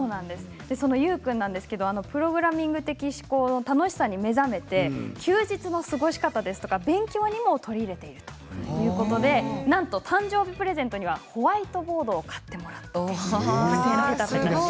ゆう君ですがプログラミング的思考の楽しさに目覚めて休日の過ごし方や、勉強にも取り入れているということでなんと誕生日プレゼントにはホワイトボードを買ってもらったということです。